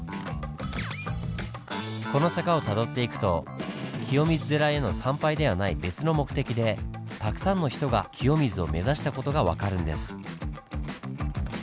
この坂をたどっていくと清水寺への参拝ではない別の目的でたくさんの人が清水を目指した事が分かるんです。